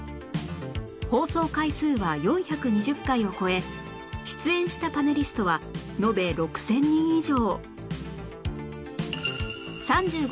放送回数は４２０回を超え出演したパネリストは延べ６０００人以上